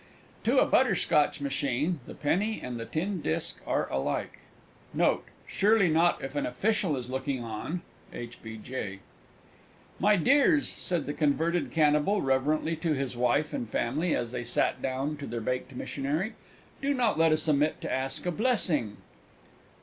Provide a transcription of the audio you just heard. To a Butterscotch Machine the Penny and the Tin Disc are alike. Note. Surely not if an official is looking on! H. B. J. "My dears," said the Converted Cannibal reverently to his Wife and Family, as they sat down to their Baked Missionary, "do not let us omit to ask a blessing!"